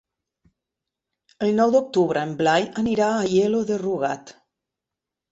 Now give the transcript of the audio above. El nou d'octubre en Blai anirà a Aielo de Rugat.